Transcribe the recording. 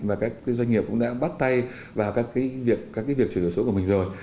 và các doanh nghiệp cũng đã bắt tay vào các việc chuyển đổi số của mình rồi